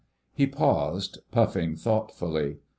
He paused, puffing thoughtfully.